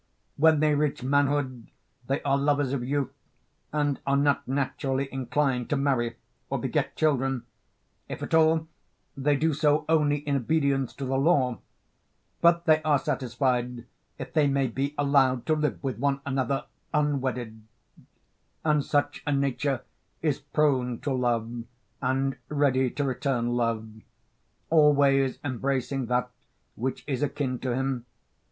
When they reach manhood they are lovers of youth, and are not naturally inclined to marry or beget children, if at all, they do so only in obedience to the law; but they are satisfied if they may be allowed to live with one another unwedded; and such a nature is prone to love and ready to return love, always embracing that which is akin to him.